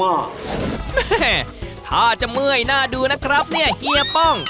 แม่ถ้าจะเมื่อยหน้าดูนะครับเนี่ยเฮียป้อง